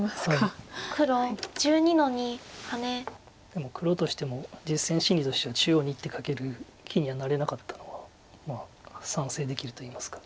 でも黒としても実戦心理としては中央に１手かける気にはなれなかったのはまあ賛成できるといいますか。